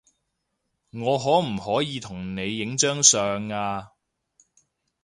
我可唔可以同你影張相呀